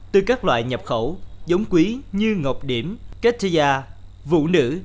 từ các loại nhập khẩu giống quý như ngọc điểm kết thia vụ nữ